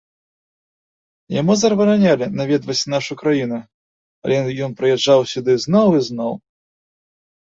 Яму забаранялі наведваць нашу краіну, але ён прыязджаў сюды зноў і зноў.